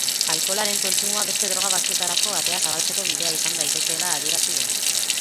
Alkoholaren kontsumoa beste droga batzuetarako atea zabaltzeko bidea izan daitekeela adierazi du.